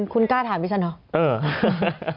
คุณกล้าถามดิฉันเหรอ